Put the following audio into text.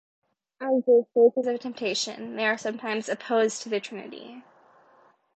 As the sources of temptation, they are sometimes opposed to the Trinity.